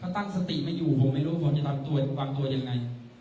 ตั้งสติไม่อยู่ผมไม่รู้ผมจะรับตัวยังไง